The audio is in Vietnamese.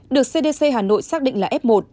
được cdc hà nội xác định là f một